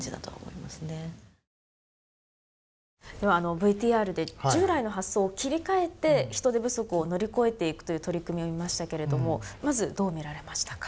ＶＴＲで従来の発想を切り替えて人手不足を乗り越えていくという取り組みを見ましたけれどもまずどう見られましたか。